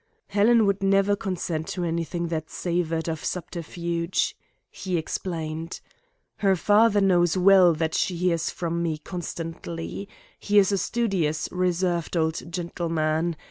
"Helen would never consent to anything that savoured of subterfuge," he explained. "Her father knows well that she hears from me constantly. He is a studious, reserved old gentleman.